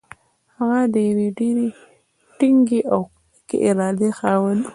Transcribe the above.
هغه د يوې ډېرې ټينګې او کلکې ارادې خاوند و.